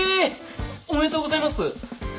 おめでとうございます！